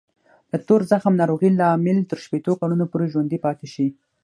د تور زخم ناروغۍ لامل تر شپېتو کلونو پورې ژوندی پاتې شي.